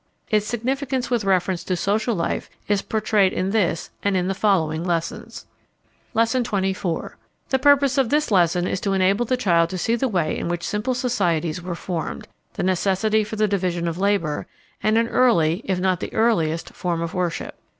Its significance with reference to social life is portrayed in this and in the following lessons. Lesson XXIV. The purpose of this lesson is to enable the child to see the way in which simple societies were formed, the necessity for the division of labor, and an early, if not the earliest, form of worship.